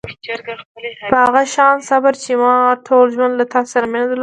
په هغه شان صبر چې ما ټول ژوند له تا سره مینه درلوده.